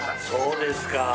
そうですか。